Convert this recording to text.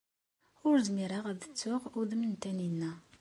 Ur zmireɣ ad ttuɣ udem n Taninna.